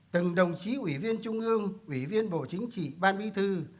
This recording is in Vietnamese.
từng đồng chí ủy viên trung ương ủy viên bộ chính trị ban bí thư